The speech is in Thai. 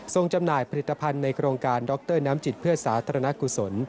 จำหน่ายผลิตภัณฑ์ในโครงการดรน้ำจิตเพื่อสาธารณกุศล